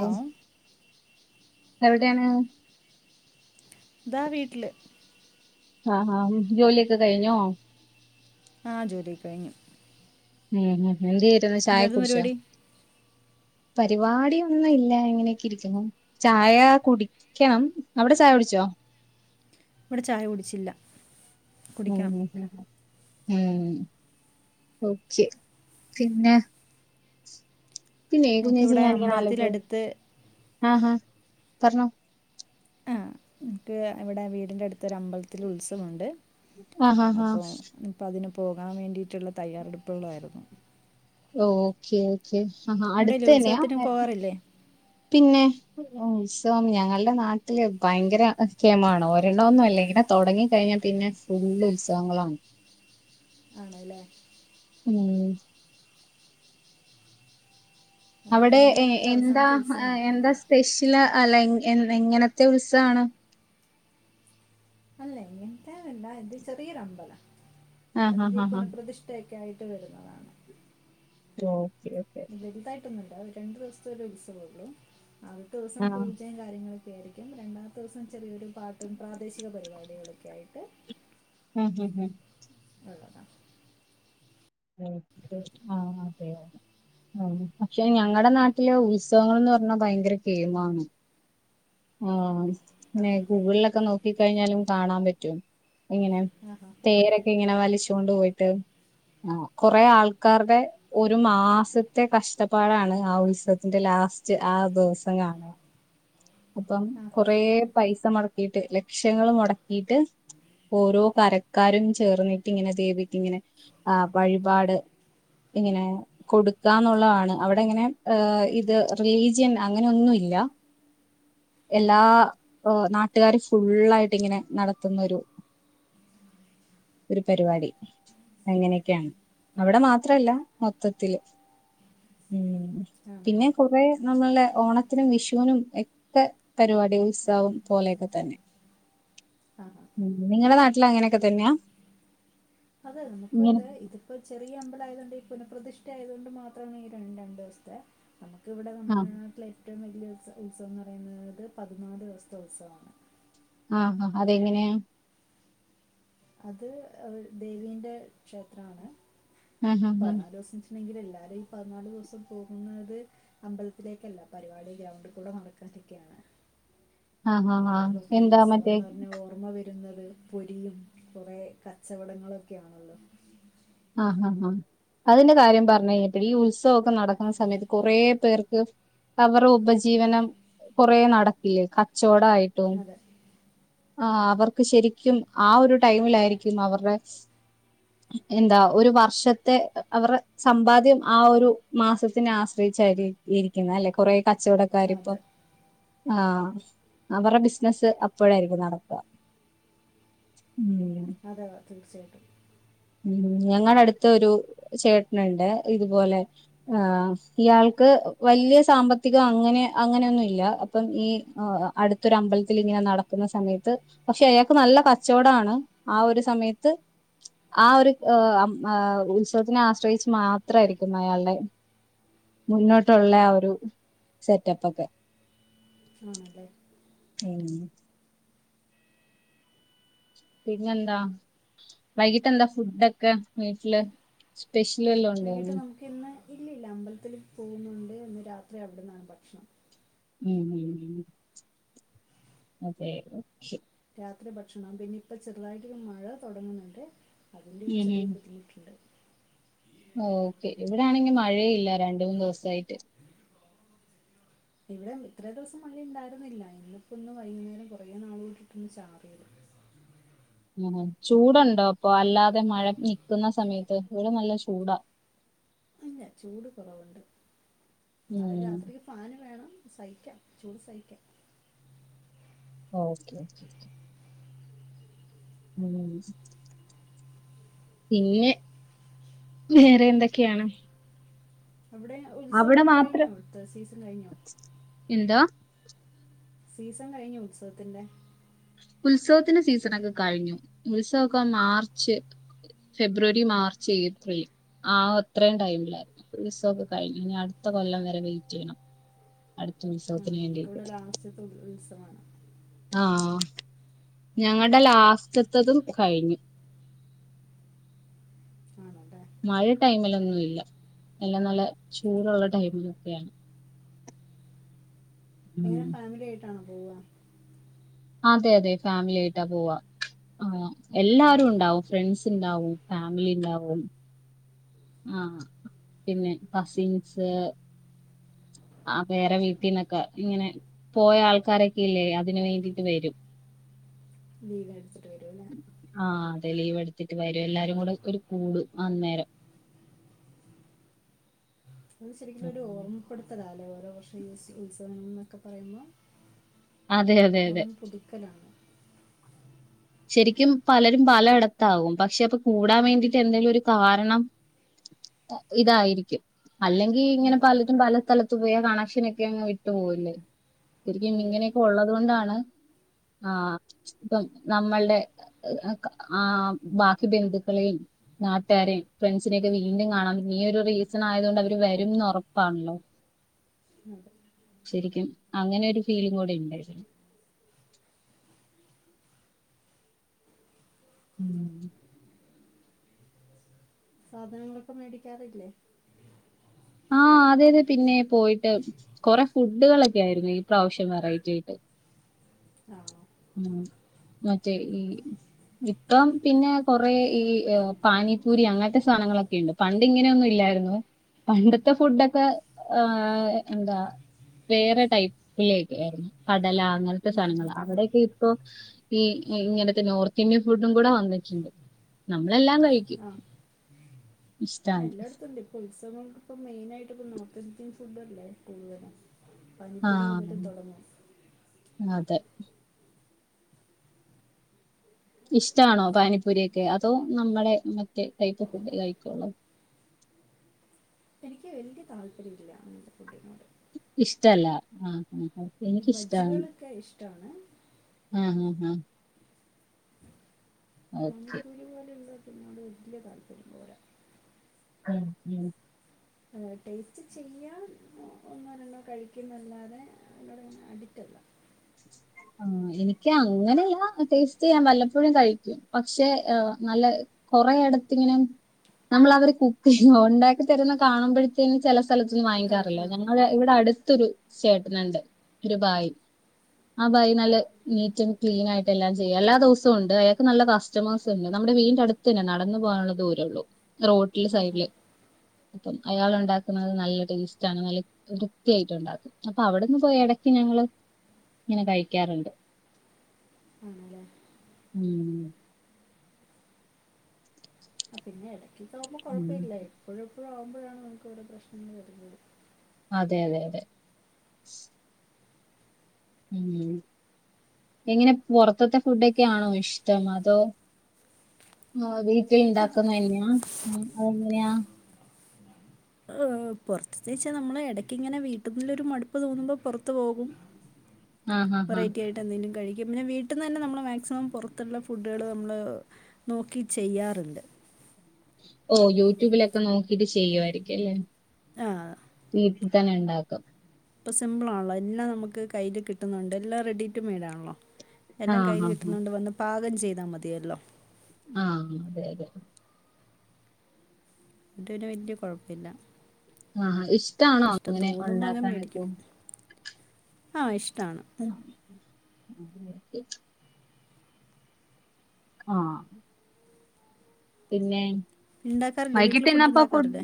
Hello എവിടെയാണ് ദാ വീട്ടിൽ ആഹ് ആഹ് ജോലിയൊക്കെ കഴിഞ്ഞോ ആഹ് ജോലിയൊക്കെ കഴിഞ്ഞു. ഉം എന്തിര്ന്ന് ചായയെക്കെ എന്തായിരുന്നു കുടിചോ പരിപാടി പരിപാടിയൊന്നും ഇല്ല ഇങ്ങനെയൊക്കെ ഇരിക്കുന്നു. ചായ കുടിക്കണം അവിടെ ചായ കുടിച്ചോ ഇവിടെ ചായ കുടിച്ചില്ല. കുടിക്കണം ഉം ഓക്കെ പിന്നെ പിന്നെ ഞങ്ങൾക്ക് കുഞ്ഞേച്ചി ഇവിടെ ഞാനിങ്ങനെ അലോയിക്കുവായിരുന്നു അമ്പലത്തിലടുത്ത് ആഹ് ഹാ പറഞ്ഞോ ആഹ് എനിക്ക് ഇവിടെ വീടിന്റെ അടുതൊരു ഒരു അമ്പലത്തിൽ ഉത്സവമുണ്ട്. ആഹ് ആഹ് അപ്പൊ ആഹ് ഇപ്പ അതിന് പോകൻ വേണ്ടിയിട്ടുള്ള തയ്യാറെടുപ്പുകളായിരുന്നു. ഓക്കെ ഓക്കെ ആഹാ അടുത്ത് അവിടെയല്ലേ തന്നെയ ഉത്സവത്തിന് പോകാറില്ലേ പിന്നെ ഉത്സവം ഞങ്ങളുടെ നാട്ടില് ഭയങ്കര കെമാണ് ഒരെണ്ണം ഒന്നുവല്ല ഇങ്ങനെ തുടങ്ങി കഴിഞ്ഞാൽ പിന്നെ ഫുള്ള് ഉത്സവങ്ങളാണ് ആണല്ലേ ഉം അതിപ്പോൾ അവിടെ ഞങ്ങളുടെ നാട്ടിലെ എന്താ അവസാനത്തെ ഉത്സവമാണ് എന്താ സ്പെഷ്യൽ അല്ല എങ്ങനത്തെ ഉത്സവമാണ് അല്ല ഇങ്ങനത്തെയല്ല എന്റെ ചെറിയൊരു അമ്പലം ആഹ് അതിന്റെ ആഹ് ഈ ആഹ് പുനപ്രതിഷ്ഠ ഒക്കൊയിട്ട് വരുന്നതാ ഓക്കെ ഓക്കേ വലുതായിട്ടൊന്നുല്ല രണ്ടു ദിവസത്തെ ഒരു ഉത്സവമള്ളൂ ആദ്യത്തെ ദിവസം ആഹ് പൂജേ കാര്യങ്ങളൊക്കെ ആയിരിക്കും രണ്ടാമത്തെ ദിവസം ചെറിയൊരു പാട്ടും പ്രാദേശിക പരിപാടികളൊക്കെ ആയിട്ട് ഹ ഹാ ഹാ നല്ലതാ ആഹ് അതെയതെ ആഹ് പക്ഷെ ഞങ്ങളടെ നാട്ടില് ഉത്സവങ്ങളെന്ന് പറഞ്ഞാ ഭയങ്കര കെമമാണ്. ആഹ് പിന്നെ ആണല്ലേ ഗൂഗിളിലൊക്കെ നോക്കിക്കഴിഞ്ഞാലും കാണാൻ പറ്റും ഇങ്ങനെ ആഹാ തെരൊക്കെ ഇങ്ങനെ വലിചോണ്ട് പോയിട്ട് ആഹ് കൊറേ ആൾക്കാരുടെ ഒരു മാസത്തെ കഷ്ടപ്പാടാണ് ആ ഉത്സവത്തിന്റെ ലാസ്റ്റ് ആ ദിവസം കാണുക അപ്പം ആഹാ കൊറേ പൈസ മുടക്കിയിട്ട് ലക്ഷങ്ങൾ മുടക്കി ക്കിട്ട് ഓരോ കരക്കാരും ചേർന്നിട്ട് ഇങ്ങനെ ദേവീക്ക്‌ ഇങ്ങനെ ആഹ് വഴിപാട് ഇങ്ങനെ കൊടുക്കാന്നുള്ളതാണ് അവിടിങ്ങനെ ഇത് റിലീജിയൻ അങ്ങനൊന്നുവില്ല എല്ലാ നാട്ടുകാരും ഫുുള്ളായിട്ട് ഇങ്ങനെ നടത്തുന്നൊരു ഒരു പരിപാടി അങ്ങനെയൊക്കെയാണ് അവിടെ മാത്രല്ല മൊത്തത്തില്ൽ ഉ പിന്നെ ആണല്ലേ കുറേ നമ്മളെ ഓണത്തിനും വിഷുവിനും എക്കെ പരിപാടി ഉത്സവം പോലെയൊക്കെ തന്നെ ആഹ് നിങ്ങടെ നാട്ടിൽ അങ്ങനെയൊക്കെ തന്നെയാ അതെ നമുക്ക് ഇങ്ങനെ അത് ഇത് ഇപ്പൊ ചെറിയ അമ്പലായതു കണ്ട് ഈ പുനപ്രതിഷ്ഠ ആയതുകൊണ്ട് മാത്രമേ ഈ ര രണ്ട് ദിവസത്തെ നമുക്കിവിടെ ആഹ് നമ്മുടെ നാട്ടിലെ ഏറ്റവും വലിയ ഉത്സ ഉത്സവം ന്ന് പറയുന്നത് പതിനാല് ദിവസത്തെ ഉത്സവമാണ് ആഹ് ഹാ അതെങ്ങനെയാ? അത് അവിട് ദേവീ്ൻ്റെ ക്ഷേത്രാണ് ആഹ് ആഹ് പതിനാല് ദിവസം വെച്ചിട്ടുണ്ടെങ്കില് എല്ലാരും ഈ പതിനാല് ദിവസം പോകുന്നത് അമ്പലത്തിലേക്കല്ല പരിപാടി ഗ്രൗണ്ടി കൂടെ നടക്കാതൊക്കെയാണ് ആഹ് ആഹ് ആഹ് ആഹ് ഇങ്ങട്ട് നോക്ക് എന്താ മറ്റേ ഉത്സവന്ന് പറഞ്ഞാൽ ഓർമ്മ വരുന്നത് പൊരീം കുറേ കച്ചവടങ്ങളൊക്കെയാണല്ലോ ആഹ് ഹാ ഹാ അതിന്റെ കാര്യം പറഞ്ഞു കഴിഞ്ഞപ്പഴ ഈ ഉത്സവക്കെ നടക്കുന്ന സമയത്ത് കുറേ പേർക്ക് അവർ ഉപജീവനം കൊറേ നടക്കില്ലേ കച്ചോടായി അതെ ആഹ് അവർക്ക് ശരിക്കും ആ ഒരു ടൈമിലായിരിക്കും അവർടെ എന്താ ഒരു വർഷത്തെ അവർ സമ്പാദ്യം ആ ഒരു മാസത്തിനെ ആശ്രയിച്ചാരി ഇരിക്കുന്നത് അല്ലെ കുറെേ കച്ചവട ക്കാരിപ്പം അതെ ആഹ് വരുടെ ബിസിനസ്സ് അപ്പോഴായിരി രിക്കും നടക്ക ഉം അതെയോ തീർച്ചയായിട്ടും ഉം ഞങ്ങടടുത്ത് ഒരു ചേട്ടനിണ്ട് ഇതുപോലെ- ആഹ് ഇയാൾക്ക് വല്ല്യ സാമ്പത്തികം അങ്ങനെ അങ്ങനെയൊന്നുല്ല അപ്പം ഈ അടുത്തൊരു അമ്പലത്തിൽ ഇങ്ങനെ നടക്കുന്ന സമയത്ത് പക്ഷെ അയാക്ക് നല്ല കച്ചോടാണ് ആ ഒരു സമയത്ത് ആ ഒരു ഏ അപ് ഏ ഉത്സവത്തിനെ ആശ്രയിച്ച് മാത്രായിരിക്കും അയാളുടെ മുന്നോട്ടുള്ള ആ ഒരു സെറ്റപ്പൊക്കെ ആണല്ലേ ഉം പിന്നെന്താ വൈകിട്ട് എന്താ ഫുഡൊക്കെ വീട്ടില് സ്പെഷ്യൽ വല്ലോം ഉണ്ടോനി പിന്ന്‌ ഇല്ല ഇല്ല അമ്പലത്തില് പോകുന്നുണ്ട് ഇന്ന് രാത്രി അവിടുന്നാണ് ഭക്ഷണം ഉം ഉം അതെ മുഖ്യം രാത്രി ഭക്ഷണം പിന്നെ ഇപ്പ ചെറുതായിട്ടൊരു മഴ തൊടങ്ങുന്നുണ്ട് അതിൻ്റെ ഒരു ഉം ചെറിയ ഉം ബുദ്ധിമുട്ടുണ്ട് ഓക്കെ ഇവിടൊണെങ്കി മഴയില്ല രണ്ട് മൂന്ന് ദിവസായിട്ട് ഇവിടേം ഇത്രേ ദിവസം മഴയുണ്ടായിരുന്നില്ല ഇന്നിപ്പോ ഒന്ന് വൈകുന്നേരം കുറെേ നാള് തൊട്ടിട്ടൊന്ന് ചാറിയത് മ്മ് ഹ് ചൂടുണ്ടോ അപ്പൊ അല്ലാതെ മഴ നിക്കുന്ന സമയത്ത് ഇവിടെ നല്ല ചൂടാ ഇല്ല ചൂട് കുറവുണ്ട് ഇന്നാലും ഉം രാത്രി ഫാാന് വേണം സഹിക്കാം ചൂട് സഹിക്കാൻ ഓക്കെ ഓക്കേ ഓക്കേ ഉം സി പിന്നെ, വേറെ എന്തൊക്കെയാണ്. അവിടെ, അവിടെ ഉത്സവങ്ങള് കഴിഞ്ഞോ? മാത്രം അവിടുത്തെ സീസൺ കഴിഞ്ഞോ? എന്താ സീസൺ കഴിഞ്ഞോ, ഉത്സവത്തിന്റെ. ഉത്സവത്തിന്റെ സീസണാക്കെ കഴിഞ്ഞു. ഉത്സവമൊക്കെ മാർച്ച് ഫെബ്രുവരി, മാർച്ച് ഏപ്രിൽ ആഹ്, അത്രയും ടൈമിലായിരുന്നു. ഉത്സവമൊക്കെ കഴിഞ്ഞു. ഇനിയടുത്ത കൊല്ലം വരെ വെയിറ്റു ചെയ്യണം. അടുത്ത ആ ഉത്സവത്തിന് വേണ്ടിയിട്ട് നമുക്കിവിടെ ലാസ്റ്റത്തെ ഉത്സവമാണ്. ആഹ്, ഞങ്ങളുടെ ലാസ്റ്റത്തതും കഴിഞ്ഞു. ആണല്ലേ? മഴ ടൈമിലൊന്നുമില്ല, എല്ലാം നല്ല ചൂടുള്ള ടൈമിലൊക്കെയാണ്. ഉം എങ്ങനെ, ഫാമിലിയായിട്ടാണോ പോവ അതെ, അതെ ഫാമിലിയായിട്ടാ പോവാ. ആഹ്, എല്ലാരുണ്ടാവും. ഫ്രണ്ട്സുണ്ടാവും. ഫാമിലി ണ്ടാവും. ആഹ്, പിന്നെ കസിൻസ്. ആഹ്, വേറെ വീട്ടിൽ നിന്നൊക്കെ ഇ ങ്ങനെ. പോയ ആൾക്കാരൊക്കെയില്ലേ, അതിനുവേണ്ടിയിട്ടു വരും. ലീവെടുത്തിട്ടു വരു ല്ലേ? ആഹ്, അതെ, ലീവെടുത്തിട്ടു വരും. എല്ലാരും കൂടെ ഒരു കൂടും അന്നേരം. അതു ശരിക്കുലൊരു ഉം. ഓർമ്മപ്പെടുത്തലാ ല്ലേ, ഓരോ വർഷവു യു യുത്സവമെന്നൊക്കെ പറയുമ്പോ? അതെ അതെ അതെ ഓർമ്മ പുതുക്കലാണ്. ശരിക്കും പലരും പലയിടത്താവും, പക്ഷെ, അപ്പൊ കൂടാൻ വേണ്ടി ട്ടെന്തെങ്കിലുമൊരു കാരണം. ഇതായിരിക്കും. അല്ലെങ്കി ഈ, ഇങ്ങനെ അതെ പലതും പല സ്ഥലത്തു പോയ, കണക്ഷനൊക്കെ അങ്ങു വിട്ടു പോകില്ലേ? അതെ ശരിക്കുമിങ്ങനെ ഇപ്പം ഉള്ളതുകൊണ്ടാണ് ആഹ്, ഇപ്പം. നമ്മളുടെ ആഹ്, ബാക്കി ബന്ധുക്കളെയും നാട്ട് കാരെയും, ഫ്രണ്ട്സി നെയൊക്കെ വീണ്ടും കാണാ, ഈയൊരു റീസണായതു കൊണ്ട് അവര് വരും എ ന്നുറപ്പാണ ല്ലോ? അതെ ശരിക്കും. അങ്ങനെ ഒരു ഫീലിംഗു കൂടി ഉണ്ടായിരിന്നു. ഉം സാധനങ്ങളൊക്കെ മേടിക്കാറില്ലേ? ആഹ്, അതെ, അതെ പിന്നെ പോയിട്ട് കൊറെ ഫുഡു കളൊക്കെ ആയിരുന്നു. ഈ പ്രാവശ്യം വെറൈറ്റിയായിട്ട്. ആഹ് ഉം. മറ്റേ ഈ ഇപ്പം, പിന്നെ, കൊറ ഈ, പാനിപ്പൂരി അങ്ങനത്തെ സാധനങ്ങളൊക്കെ ഉണ്ട്. പണ്ട് ഇങ്ങനെയൊന്നും ഇ ല്ലായിരുന്നു. പണ്ടത്തെ ഫുഡൊക്കെ ആഹ്, എന്താ വേറെ, ടൈപ്പിലൊക്കെ ആയിരുന്നു. കടല, അങ്ങനത്തെ സാധനങ്ങളാ, അവിടെ ഇപ്പോ, ഈ ഇങ്ങനത്തെ നോർത്തിന്ത്യൻ ഫുഡും കൂടെ വന്നിട്ടുണ്ട്. നമ്മളെല്ലാം കഴിക്കും. ആഹ്, ഇഷ്ടാണ് എല്ലായിടത്തു ഉണ്ടിപ്പം. ഉത്സവം ഇപ്പം മെയിനായിട്ടിപ്പ, നോർത്തിന്ത്യൻ ഫുഡ് അല്ലേ, കൂടുതലും. പനിപ്പൂരി മുതൽ ആഹ്, തുടങ്ങും അതെ ഇഷ്ട്ടാ ണോ? പാനിപ്പൂരി യൊക്കെ, അതോ, നമ്മുടെ മറ്റേ ടൈപ്പു ഫുഡു കഴിക്ക ള്ളോ? എനിക്കുവലിയ താല്പര്യമില്ലയങ്ങനത്തെ ഫുഡിനോട് ഇഷ്ടമല്ല, ആഹ്, ആഹ് ഈ എനിക്കിഷ്ടാണ് ബജ്ജികളൊക്കെ ഇഷ്ടമാണ് ആഹ് ഹാ ഹാ ഓക്കെ പാനിപ്പൂരിപോലുള്ളതിനോടു വലിയതാല്പര്യം പോരാ ആഹ് ഉം ആഹ്, ടേസ്റ്റുചെയ്യാൻ ഒന്നോ, രണ്ടോ കഴിക്കൂന്നല്ലാതെ അങ്ങോട്ടുഅഡിക്റ്റല്ല ആഹ് എനിക്ക് അങ്ങനെയല്ല ടേസ്റ്റ് ചെയ്യാൻ വല്ലപ്പോഴും കഴിക്കും പക്ഷെ നല്ല കൊറെ ഇടത്തിങ്ങനെ നമ്മൾ അവര് കുക്ക് ചെയ ഉണ്ടാക്കി തരുന്ന കാണുമ്പോഴ ചില സ്ഥലത്തൊന്നും ആ, കഴി വാങ്ങിക്കാറില്ല. ആ ഞങ്ങൾ ഇവിടെ അടുത്തൊരു ചേട്ടനുണ്ട് ഒരു ഭായി ആ ഭായി നല്ല നീറ്റും ക്ലീന ആയിട്ട് എല്ലാം ചെയ്യും എല്ലാ ദിവസവും ഉണ്ട് അയാൾക്ക് നല്ല കസ്റ്റമേഴ്സും ഉണ്ട് നമ്മുടെ വീന്റെ അടുത്ത് ന്നെ നടന്നു പോകാനുള്ള ദൂരള്ളൂ റോഡെ സൈഡില് അപ്പം അയാള ഉണ്ടാക്കുന്നത് നല്ല ടേസ്റ്റ്ണ് നല്ല വൃത്തിയായിട്ടുണ്ടാക്കും അപ്പൊ അവിടെന്ന് പോയ ഇടക്ക് ഞങ്ങള്ൾ ഇങ്ങനെ കഴിക്കാറുണ്ട് ആണല്ലേ ഉം ആ പിന്നെ ഇട്ക്കിക്ക് ആകുമ്പോൾ ഉം കുഴപ്പമില്ല എപ്പോഴെപ്പോഴും ആവുമ്പോഴാണ് നമുക്വിടെ പ്രശ്നംന്ന് വരുന്നത് അതെ അതെ അതെ എങ്ങനെ പുറത്തത്തെ ഫുഡൊക്കൊണോ ഇഷ്ടം അതോ ആ വീട്ടിൽ ഉണ്ടാക്കുന്നതന്നെയാ അതെങ്ങനെയാ പുറത്തു വച്ചാൽ നമ്മള് ഇടയ്ക്ക് ഇങ്ങനെ വീട്ട നിൽ ഒരു മടുപ്പ് തോന്നുമ്പോ പുറത്തു പോകും [inaudible] ആഹ് വെറൈറ്റി ആയിട്ട് എന്തെങ്കിലും കഴിക്കും. പിന്നെ വീട്ടിൽ നിന്ന് തന്നെ നമ്മള് മാക്സിമം പുറത്തുള്ള ഫുഡുകള് നമ്മള് നോക്കി ചെയ്യാറുണ്ട് ഓഹ് യൂട്യൂബിലൊക്കെ നോക്കിട്ട് ചെയ്യുയിരിക്കും അല്ലേ ആഹ് വീട്ടിൽ തന്നെ ഉണ്ടാക്കും ഇപ്പൊ സിമ്പിൾ ആണല്ലോ എല്ലാം നമുക്ക് കയ്യിൽ കിട്ടുന്നുണ്ട് എല്ലാം റെഡി ടു മെയഡ് ആണല്ലോ എല്ലാം ആഹ് കയ്യിൽ ആഹ് കിട്ടുന്നുണ്ട് വന്ന് പാകം ചെയ്താൽ മതിയല്ലോ ആഹ് അതെ അതെ അത്ന് വലിയ കുഴപ്പില്ല ആഹ് ഇഷ്ടാണോ അങ്ങനെ തോന്നുമ്പോൾ അങ്ങ് മേടിക്കും ഉണ്ടാക്കാനൊക്കെ ആ ഇഷ്ടമാണ് ആ ആഹ് പിന്നെ ഉണ്ടാക്കാറില്ലേ വീട്ടിൽ ഫുഡ് വൈകിട്ട്ന്നപ്പ ഉണ്ടാക്കാറില്ലേ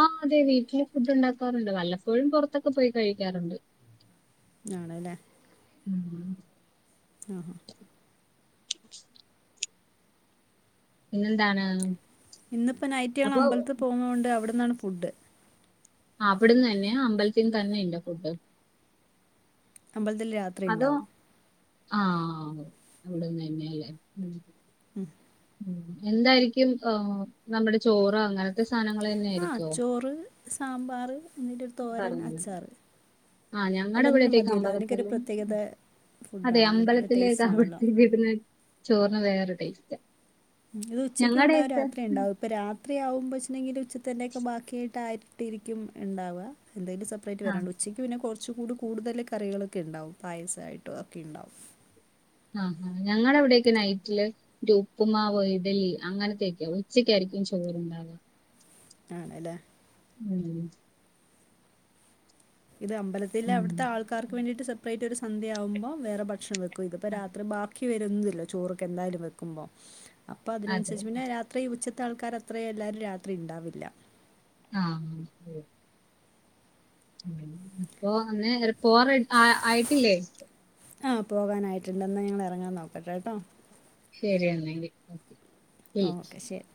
ആഹ് അതെ വീട്ടില് ഫുഡ് ഉണ്ടാക്കാറുണ്ട് വല്ലപ്പോഴും പുറത്തൊക്കെ പോയി കഴിക്കാറുണ്ട് [inaudible] ആണല്ലേ ഉം ആഹാ പിന്നെന്താണ് ഇന്നിപ്പോൾ നൈറ്റ് ഞങ്ങൾ അപ്പൊ അമ്പലത്തി പോകുന്നൊണ്ട് അവിടന്നാണ് ഫുഡ് അവിടന്ന് തന്നെ യാ അമ്പലത്തിന് തന്നെ ഇണ്ട് ഫുഡ് അമ്പൽത്തിൽ രാ അതോ ആഹ് അവിടന്ന് തന്നെയല്ലേ ഉം. ഉം. ഉം എന്തായിരിക്കും ആ നമ്മുടെ ചോറ അങ്ങനെ. ത്ത സാധനങ്ങള് തന്നെ. ആഹ് ആയിരിക്കോ? ചോറ് സാമ്പാറ് എന്നിന്റെ ഒരു തോരൻ പറഞ്ഞില്ല അച്ചാറ്. ആഹ് ഞങ്ങടെ അതെന്നെ ഇവിടത്തേക്ക് മതിയല്ലോ അതിനൊക്കരു അമ്പലത്തില് പ്രത്യേകത ഫുഡ് ആണല്ലോ ടേസ്റ്റ് ആണല്ലോ. വീട്ട്ന്ന് ചോറിന് വേറെ ടേസ്റ്റ. ഉം ഇത് ഉച്ചക്കുണ്ടാവും രാത്രിണ്ടാവും ഇപ്പൊ രാത്രി ആവുമ്പൊ വെച്ചുണ്ടെങ്കില് ഉച്ചതന്നെക്ക് ബാക്കിയായിട്ട് ആ ട്ടിരിക്കും ഉണ്ടാവുക എന്തായലും സെപ്പറേറ്റ് ആഹ് വരാണ്ട് ഉച്ചയ് ത്ത് പിന്നെ കൊറച്ച് കൂടി കൂടുതല് കറികളൊക്കെ ഉണ്ടാവും പായസായിട്ടും ഒക്കെ ഇണ്ടാവും. ആഹ് ഞങ്ങളവിടെയൊക്കെ നൈറ്റില്. റ്റു ഉപ്പുമാവ് ഇഡലി അങ്ങനത്തെയൊക്കെയ ഉച്ചക്കാരിക്കും ചോറ്ണ്ടാവ. ആണല്ലേ. ഉം. ഇത് അമ്പലത്തിലെ ഉം അവിട്ത്തെ ആൾക്കാർക്ക് വേണ്ടിയിട്ട് സപ്രേറ്റ് ഒരു സന്ധ്യയാവുമ്പൊ വേറെ ഭക്ഷൺ വെ ക്കു ഇതിപ്പോ ആഹ് രാത്രി ബാക്കി വരുന്നില്ലെ ചോറൊക്കെ എന്തായലും വെക്കുമ്പൊ അപ്പ അതെ അതിനനുസരിച്ച് പിന്നെ രാ ത്രി ഉച്ചത്തെ ആൾക്കാരാത്രയെ എല്ലരും രാത്രി ഇണ്ടാവില്ല. ആഹ് ഉം. ഉം ഇപ്പോ ഒന്ന് റിപ് പോവാ റെഡ് ആ ആയിട്ടില്ലേ. ആഹ് പോകാനായിട്ട്ണ്ട് എന്നാ ഞങ്ങളെറങ്ങാൻ നോക്കട്ടെട്ടോ. ശെരിയെന്നാ ഇനി. ഓക്കെ ശെരി.